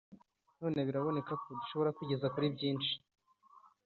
none biraboneka ko dushobora kwigeza kuri byinshi